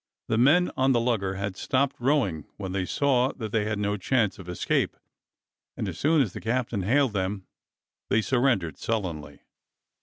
The men on the lugger had stopped rowing when they saw that they had no chance of escape, and as soon as the captain hailed them they surrendered sullenly.